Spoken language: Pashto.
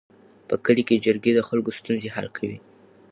په کلي کې جرګې د خلکو ستونزې حل کوي.